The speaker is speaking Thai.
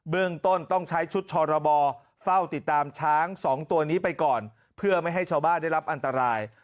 เรื่องต้นต้องใช้ชุดชรบเฝ้าติดตามช้างสองตัวนี้ไปก่อนเพื่อไม่ให้ชาวบ้านได้รับอันตราย